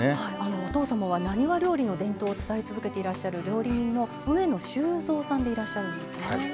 お父様は浪速料理の伝統を伝え続けていらっしゃる料理人の上野修三さんでいらっしゃるんですね。